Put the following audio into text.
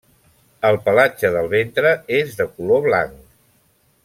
El pelatge del ventre és de color blanc.